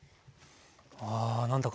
わあ何だか。